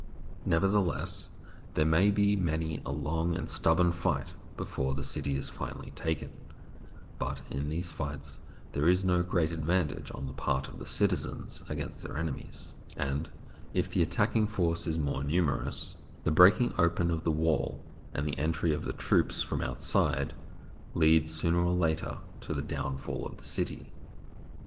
Nevertheless, there may be many a long and stubborn fight before the city is finally taken; but in these fights there is no great advantage on the part of the citizens as against their enemies, and if the attacking force is more numerous, the break ing open of the wall and the entry of the troops from outside lead sooner or later to the downfall of the city.